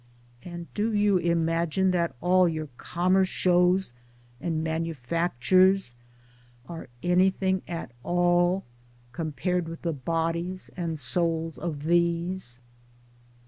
and do you imagine that all your Commerce Shows and Manufactures are anything at all compared with the bodies and souls of these